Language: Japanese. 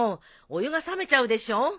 お湯が冷めちゃうでしょう。